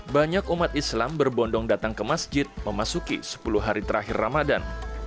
banyak umat islam berbondong datang ke masjid memasuki sepuluh hari terakhir ramadan